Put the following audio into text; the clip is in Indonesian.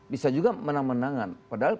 bisa juga menang menangan padahal